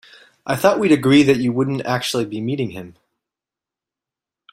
I thought we'd agreed that you wouldn't actually be meeting him?